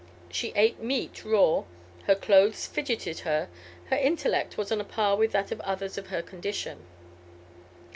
She ate meat raw, her clothes fidgeted her, her intellect was on a par with that of others of her condition.